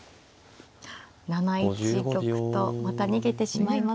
７一玉とまた逃げてしまいますと。